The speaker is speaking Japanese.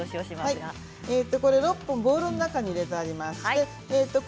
６個ボウルの中に入れてあります。